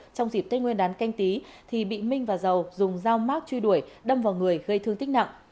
trong dịp tết nguyên đán canh tí thì bị minh và dầu dùng dao mát truy đuổi đâm vào người gây thương tích nặng